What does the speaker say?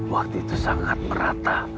waktu itu sangat merata